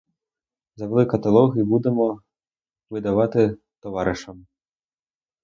Завели каталог і будемо видавати товаришам.